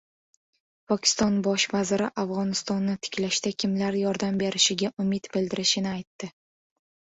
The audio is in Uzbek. Pokiston bosh vaziri Afg‘onistonni tiklashda kimlar yordam berishiga umid bildirishini aytdi